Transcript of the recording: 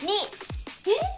えっ？